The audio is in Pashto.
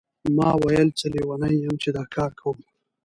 ما ویل څه لیونی یم چې دا کار کوم.